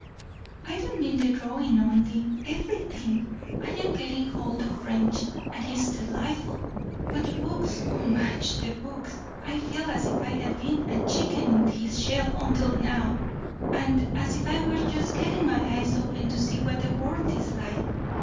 "I don't mean the drawing only. Everything. I am getting hold of French, and it's delightful. But the books! O Madge, the books! I feel as if I had been a chicken in his shell until now, and as if I were just getting my eyes open to see what the world is like."